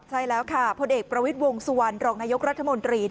ใช่แล้วค่ะพลเอกประวิทย์วงสุวรรณรองนายกรัฐมนตรี